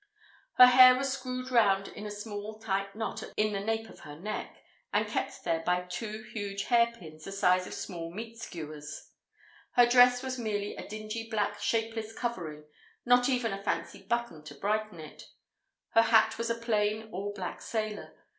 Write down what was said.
Her hair was screwed round in a small tight knot in the nape of her neck, and kept there by two huge hairpins the size of small meat skewers; her dress was merely a dingy black shapeless covering, not even a fancy button to brighten it; her hat was a plain all black sailor.